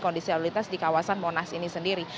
kondisi lalu lintas di kawasan monas ini sendiri